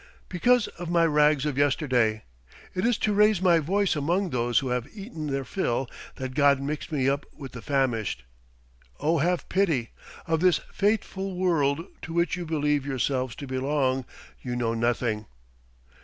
Because of my rags of yesterday. It is to raise my voice among those who have eaten their fill that God mixed me up with the famished. Oh, have pity! Of this fatal world to which you believe yourselves to belong you know nothing.